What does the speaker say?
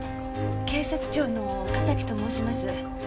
警察庁の岡崎と申します。